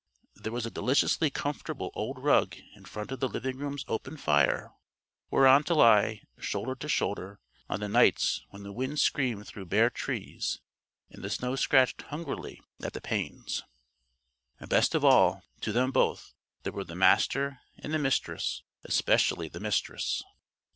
There was a deliciously comfortable old rug in front of the living room's open fire whereon to lie, shoulder to shoulder, on the nights when the wind screamed through bare trees and the snow scratched hungrily at the panes. Best of all, to them both, there were the Master and the Mistress; especially the Mistress.